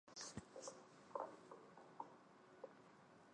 南坛县是越南革命家潘佩珠和胡志明的故乡。